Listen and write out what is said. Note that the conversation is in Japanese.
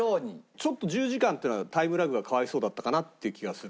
ちょっと１０時間っていうのはタイムラグがかわいそうだったかなっていう気がする。